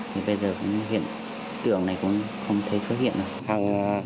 thì bây giờ hiện tượng này cũng không thể xuất hiện